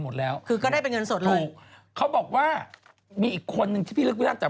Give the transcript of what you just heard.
หรอแต่เอาเงินเนี่ยนะอันนี้วิปริตนะโมดราม